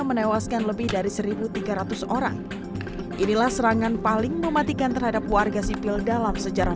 menewaskan lebih dari seribu tiga ratus orang inilah serangan paling mematikan terhadap warga sipil dalam sejarah